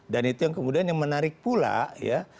dan itu yang kemudian yang menarik pula ya